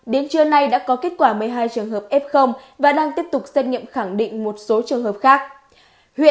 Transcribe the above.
đến trưa nay đã có kết quả một mươi hai trường hợp f và đang tiếp tục xét nghiệm khẳng định